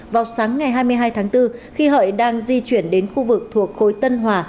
vào sáng ngày hai mươi hai tháng bốn khi hợi đang di chuyển đến khu vực thuộc khối tân hòa